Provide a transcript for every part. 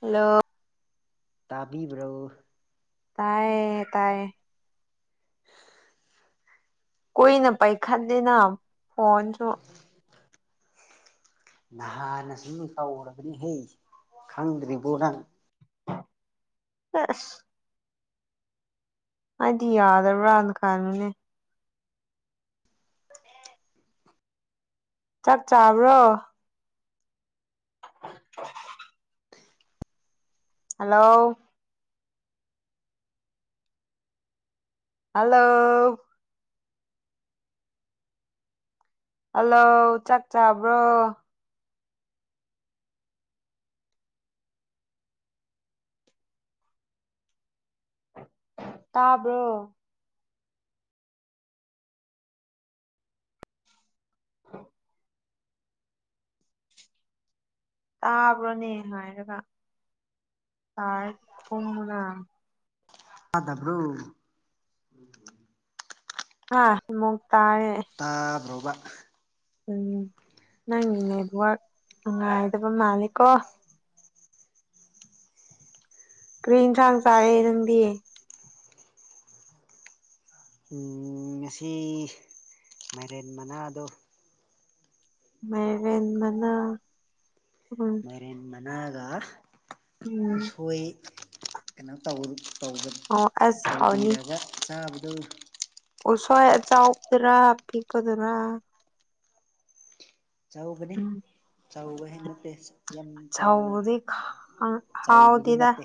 hello ꯇꯥꯕꯤꯕ꯭ꯔꯣ ꯇꯥꯏꯌꯦ ꯇꯥꯏꯌꯦ ꯀꯨꯏꯅ ꯄꯥꯏꯈꯠꯂꯤꯅ ꯐꯣꯟꯁꯨ ꯅꯍꯥꯟꯅꯁꯨ ꯇꯧꯈ꯭ꯔꯕꯅꯤꯍꯦ ꯈꯪꯗ꯭ꯔꯤꯕꯣ ꯅꯪ ꯑꯁ ꯑꯩꯗꯤ ꯌꯥꯗꯕ꯭ꯔꯥꯅ ꯈꯟꯕꯅꯦ ꯆꯥꯛ ꯆꯥꯕ꯭ꯔꯣ [inaudible] ꯍꯜꯂꯣ ꯍꯜꯂꯣ ꯍꯜꯂꯣ ꯆꯥꯛ ꯆꯥꯕ꯭ꯔꯣ ꯇꯥꯕ꯭ꯔꯣ ꯇꯕ꯭ꯔꯣꯅꯦ ꯉꯥꯢꯔꯒ ꯇꯥꯏ ꯈꯨꯝꯃꯨꯅꯥ ꯇꯥꯗꯕ꯭ꯔꯣ ꯍꯥ ꯑꯃꯨꯛ ꯇꯥꯌꯦ ꯇꯥꯗ꯭ꯔꯣꯕ ꯎꯝ ꯅꯪꯒꯤ ꯅꯦꯠꯋꯔꯛ ꯅꯨꯡꯉꯥꯢꯗꯕ ꯃꯥꯂꯦ ꯀꯣ ꯀꯔꯤ ꯏꯟꯁꯥꯡ ꯆꯥꯔꯦ ꯅꯪꯗꯤ ꯑꯝ ꯉꯁꯤ ꯃꯥꯢꯔꯦꯟ ꯃꯅꯥꯗꯣ ꯃꯥꯢꯔꯦꯟ ꯃꯅꯥ ꯎꯝ ꯃꯥꯢꯔꯦꯟ ꯃꯅꯥꯒ ꯎꯝ ꯎꯁꯣꯢ ꯀꯩꯅꯣ ꯇꯧꯕꯒꯤ ꯇꯧꯕ ꯑꯣ ꯑꯁ ꯍꯥꯎꯅꯤ ꯇꯧꯕꯤꯔꯒ ꯆꯥꯕꯗꯣ ꯎꯁꯣꯢ ꯑꯆꯧꯕꯗꯨꯔꯥ ꯑꯄꯤꯛꯄꯗꯨꯔꯥ ꯆꯥꯎꯕꯅꯤ ꯎꯝ ꯆꯥꯎꯕ [unintelligible] ꯅꯠꯇꯦ ꯌꯥꯝ ꯆꯧ ꯁꯧꯕꯗꯤ ꯆꯧꯕꯗꯨ ꯍꯥꯎꯗꯦꯗ ꯅꯠꯇꯦ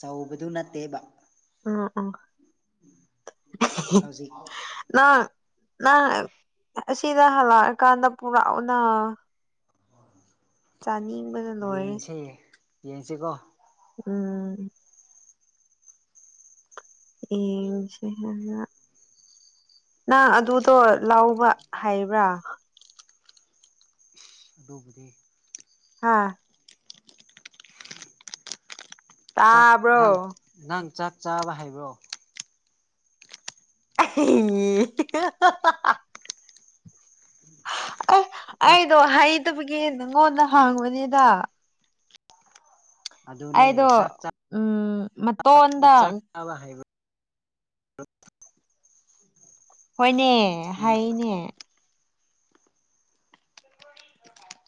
ꯆꯧꯕꯗꯨ ꯅꯠꯇꯦꯕ ꯎꯝ ꯎꯝ ꯍꯧꯖꯤꯛꯐꯥꯎ ꯅꯪ ꯅꯪ ꯑꯁꯤꯗ ꯍꯜꯂꯛꯑꯀꯥꯟꯗ ꯄꯨꯔꯛꯎꯅ ꯆꯥꯅꯤꯡꯕꯅ ꯂꯣꯏꯔꯦ ꯌꯦꯡꯁꯦ ꯌꯦꯡꯁꯦꯀꯣ ꯎꯝ ꯌꯦꯡꯁꯦ [unintelligible] ꯅꯪ ꯑꯗꯨꯗꯣ ꯂꯧꯕ ꯍꯩꯕ꯭ꯔꯥ ꯑꯗꯨꯕꯨꯗꯤ ꯍꯥꯥ ꯆꯥꯛ ꯇꯥꯕ꯭ꯔꯣ ꯅꯪ ꯅꯪ ꯆꯥꯛ ꯆꯥꯕ ꯍꯩꯕ꯭ꯔꯣ [unintelligible] ꯑꯦ ꯆꯥꯛ ꯑꯩꯗꯣ ꯍꯩꯇꯕꯒꯤ ꯅꯪꯉꯣꯟꯗ ꯍꯪꯕꯅꯤꯗ ꯑꯩꯗꯣ ꯑꯗꯨꯅꯦ ꯆꯥꯛ ꯆꯥꯛ ꯎꯝ ꯃꯇꯣꯟꯗ ꯆꯥꯛ ꯆꯥꯕ ꯍꯩꯕ [unintelligible] ꯍꯣꯢꯅꯦ ꯍꯩꯅꯦ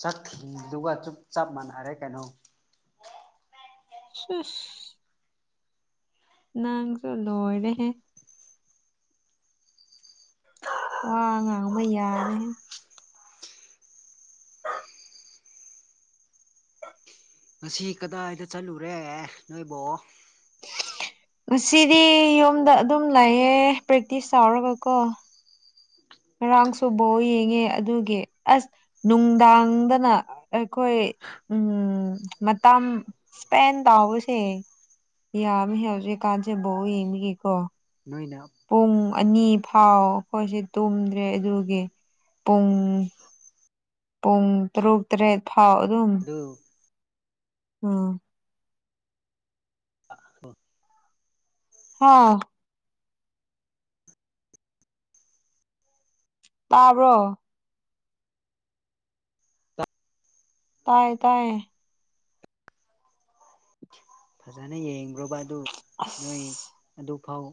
ꯆꯥꯛ ꯊꯤꯕꯗꯨꯒ ꯆꯨꯞ ꯆꯞ ꯃꯥꯟꯅꯔꯛꯀꯅꯣ [unintelligible] ꯅꯪꯁꯨ ꯂꯣꯢꯔꯦꯍꯦ ꯋꯥ ꯉꯥꯡꯕ ꯌꯥꯗꯦꯍꯦ ꯉꯁꯤ ꯀꯗꯥꯢꯗ ꯆꯠꯂꯨꯔꯦ ꯅꯣꯢꯕꯣ ꯉꯁꯤꯗꯤ ꯌꯨꯝꯗ ꯑꯗꯨꯝ ꯂꯩꯥꯌꯦ ꯄ꯭ꯔꯦꯛꯇꯤꯁ ꯇꯧꯔꯒ ꯀꯣ ꯉꯔꯥꯡꯁꯨ ꯕꯣꯜ ꯌꯦꯡꯉꯦ ꯑꯗꯨꯒꯤ ꯑꯁ ꯅꯨꯡꯗꯥꯡꯗꯅ ꯑꯩꯈꯣꯢ ꯎꯝ ꯃꯇꯝ ꯏꯁꯄꯦꯟ ꯇꯥꯎꯕꯁꯦ ꯌꯥꯝꯃꯤ ꯍꯧꯖꯤꯛꯀꯥꯟꯁꯦ ꯕꯣꯜ ꯌꯦꯡꯕꯒꯤꯀꯣ ꯅꯣꯢꯅ ꯄꯨꯡ ꯑꯅꯤ ꯐꯥꯎ ꯑꯩꯈꯣꯢꯁꯦ ꯇꯨꯝꯗ꯭ꯔꯦ ꯑꯗꯨꯒꯤ ꯄꯨꯡ ꯄꯨꯡ ꯇꯔꯨꯛ ꯇꯔꯦꯠ ꯐꯥꯎ ꯑꯗꯨꯝ [unintelligible] ꯎꯝ [unintelligible] ꯍꯥ ꯇꯥꯕ꯭ꯔꯣ ꯇꯥꯢꯌꯦ ꯇꯥꯢꯌꯦ ꯐꯖꯅ ꯌꯦꯡꯕ꯭ꯔꯣꯕ ꯑꯗꯨ ꯅꯣꯢ ꯑꯁ ꯑꯗꯨꯐꯥꯎ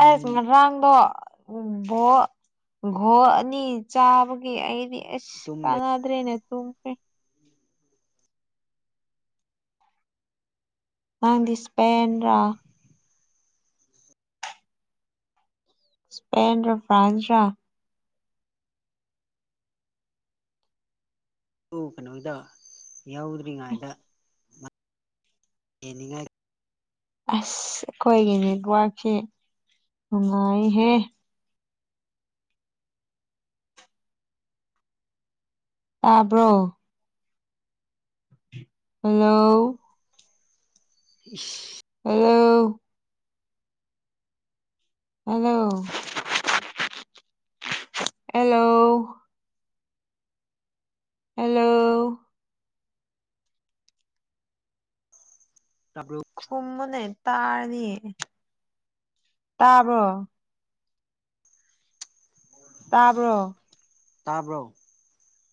ꯑꯩꯁ ꯉꯔꯥꯡꯗꯣ ꯎ ꯚꯣ ꯒꯣ ꯑꯅꯤ ꯆꯥꯕꯒꯤ ꯑꯩꯗꯤ ꯑꯁ ꯇꯨꯝꯗꯁꯨ ꯀꯥꯟꯗ꯭ꯔꯦꯅꯦ ꯇꯨꯝꯈ꯭ꯔꯦ [inaudible] ꯅꯪꯗꯤ ꯏꯁꯄꯦꯟ ꯔ ꯏꯁꯄꯦꯟ ꯔ ꯐ꯭ꯔꯥꯟꯁ ꯔ ꯑꯗꯨ ꯀꯩꯅꯣꯗ ꯌꯥꯎꯗ꯭ꯔꯤꯉꯩꯗ ꯌꯦꯡꯅꯤꯡꯉꯥꯏ ꯑꯁ ꯑꯈꯣꯏꯒꯤ ꯅꯦꯠꯋꯔꯛꯁꯦ ꯅꯨꯡꯉꯥꯏꯍꯦ ꯇꯥꯕ꯭ꯔꯣ ꯍꯜꯂꯣ ꯏꯁ ꯍꯜꯂꯣ ꯍꯜꯂꯣ ꯍꯜꯂꯣ ꯍꯜꯂꯣ ꯇꯥꯕ꯭ꯔꯣ ꯈꯨꯝꯃꯨꯅꯦ ꯇꯥꯔꯅꯤ ꯇꯥꯕ꯭ꯔꯣ [unintelligible] ꯇꯥꯕ꯭ꯔꯣ ꯇꯥꯕ꯭ꯔꯣ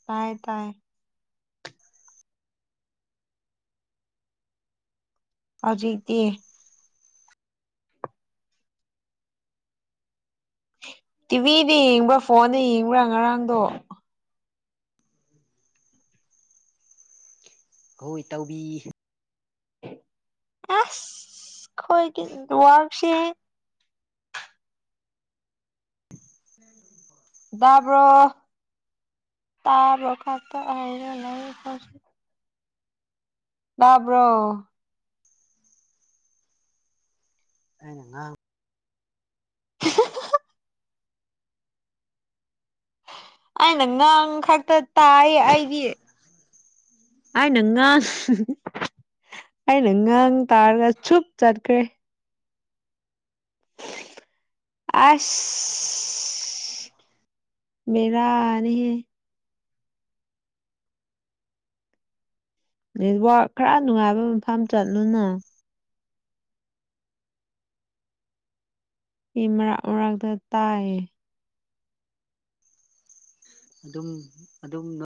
ꯇꯥꯏꯌꯦ ꯇꯥꯏꯌꯦ ꯍꯧꯖꯤꯛꯗꯤ ꯇꯤꯚꯤꯗ ꯌꯦꯡꯕ꯭ꯔꯥ ꯐꯣꯟꯗ ꯌꯦꯡꯕ꯭ꯔꯥ ꯉꯔꯥꯡꯗꯣ ꯍꯣꯏ ꯏꯇꯥꯎꯕꯤ ꯑꯁ ꯈꯣꯏꯒꯤ ꯅꯩꯋꯥꯎꯁꯦ [unintelligible] ꯗꯥꯕ꯭ꯔꯣ ꯇꯥꯕ꯭ꯔꯣ ꯀꯛꯀ ꯍꯥꯏꯔ ꯑꯩꯌꯦ ꯈꯣꯏꯁꯦ ꯇꯥꯕ꯭ꯔꯣ ꯑꯩꯅ ꯉꯥꯡ [unintelligible] ꯑꯩꯅ ꯉꯥꯡ ꯈꯛꯇ ꯇꯥꯏꯌꯦ ꯑꯩꯗꯤ ꯑꯩꯅ ꯉꯥꯡ ꯑꯩꯅ ꯉꯥꯡ ꯇꯥꯔꯒ ꯆꯨꯞ ꯆꯠꯈ꯭ꯔꯦ ꯑꯁ [unintelligible] ꯕꯦꯔꯥꯅꯤꯍꯦ ꯅꯦꯠꯋꯔꯛ ꯈꯔ ꯅꯨꯡꯉꯥꯏꯕ ꯃꯐꯝ ꯆꯠꯂꯨꯅ ꯑꯩ ꯃꯔꯥꯛ ꯃꯔꯛꯇ ꯇꯥꯏꯌꯦ ꯑꯗꯨꯝ ꯑꯗꯨꯝꯅ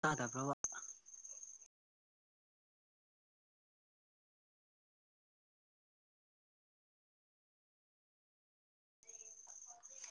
ꯇꯥꯗꯕ꯭ꯔꯣꯕ